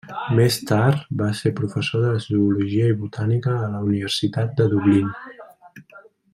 Més tard va ser professor de zoologia i botànica a la Universitat de Dublín.